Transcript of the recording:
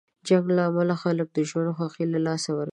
د جنګ له امله خلک د ژوند خوښۍ له لاسه ورکوي.